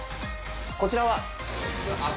こちらは？